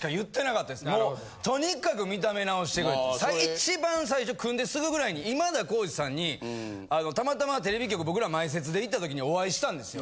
一番最初組んですぐぐらいに今田耕司さんにたまたまテレビ局僕ら前説で行った時にお会いしたんですよ。